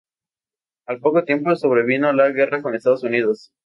Al poco tiempo sobrevino la guerra con Estados Unidos.